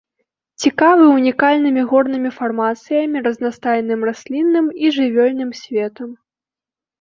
Цікавы унікальнымі горнымі фармацыямі, разнастайным раслінным і жывёльным светам.